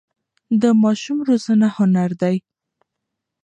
د ماشوم روزنه هنر دی.